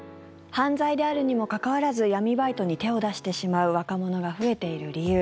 犯罪であるにもかかわらず闇バイトに手を出してしまう若者が増えている理由。